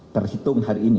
terhitung hari ini